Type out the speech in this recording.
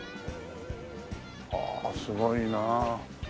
ああすごいなあ。